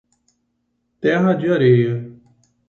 Terra de Areia